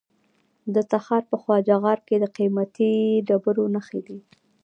د تخار په خواجه غار کې د قیمتي ډبرو نښې دي.